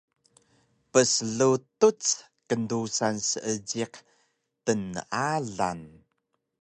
pslutuc kndusan seejiq tnealang